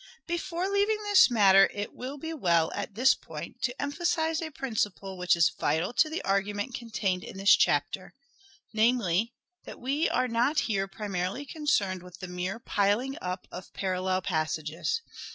Before leaving this matter it will be well at this Poetic unity, point to emphasize a principle which is vital to the argument contained in this chapter : namely, that we are not here primarily concerned with the mere piling up of parallel passages.